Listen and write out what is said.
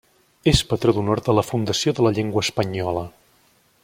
És patró d'honor de la Fundació de la Llengua Espanyola.